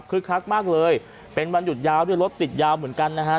คือคักมากเลยเป็นวันหยุดยาวด้วยรถติดยาวเหมือนกันนะฮะ